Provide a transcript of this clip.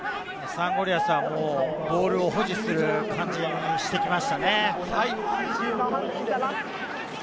サンゴリアスはボールを保持する感じにしてきましたね。